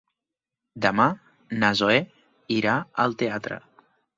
Demà na Zoè irà al teatre.